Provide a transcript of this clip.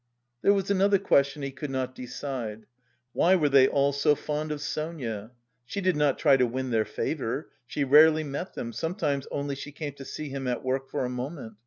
There was another question he could not decide: why were they all so fond of Sonia? She did not try to win their favour; she rarely met them, sometimes only she came to see him at work for a moment.